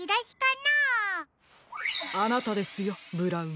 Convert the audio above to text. あなたですよブラウン。